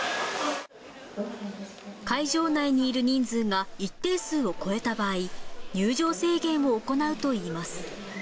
会場内にいる人数が一定数を超えた場合、入場制限を行うといいます。